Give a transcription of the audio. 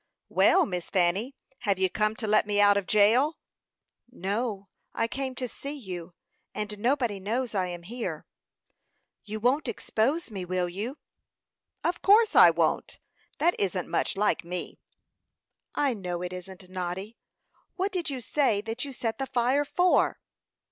"Well, Miss Fanny, have you come to let me out of jail?" "No; I came to see you, and nobody knows I am here. You won't expose me will you?" "Of course I won't; that isn't much like me." "I know it isn't, Noddy. What did you say that you set the fire for?"